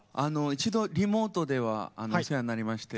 一度リモートではお世話になりまして。